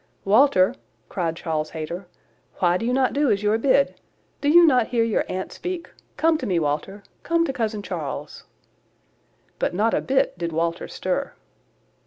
"Walter," cried Charles Hayter, "why do you not do as you are bid? Do not you hear your aunt speak? Come to me, Walter, come to cousin Charles." But not a bit did Walter stir.